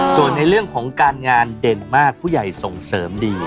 ส่วนในเรื่องของการงานเด่นมากผู้ใหญ่ส่งเสริมดี